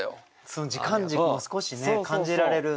その時間軸も少しね感じられる。